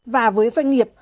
và với doanh nghiệp